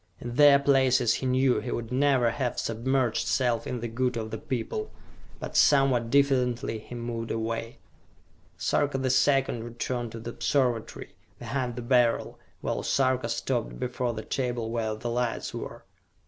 In their places he knew he would never have submerged self in the good of the people. But, somewhat diffidently, he moved away. Sarka the Second returned to the Observatory, behind the Beryl, while Sarka stopped before the table where the lights were.